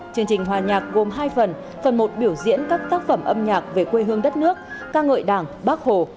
chương trình hòa nhạc gồm hai phần phần một biểu diễn các tác phẩm âm nhạc về quê hương đất nước ca ngợi đảng bác hồ